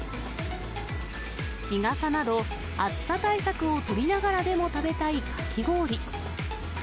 日傘など、暑さ対策を取りながらでも食べたいかき氷。